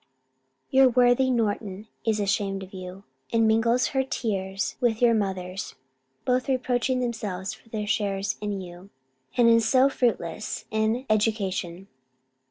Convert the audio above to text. Your worthy Norton is ashamed of you, and mingles her tears with your mother's; both reproaching themselves for their shares in you, and in so fruitless an education.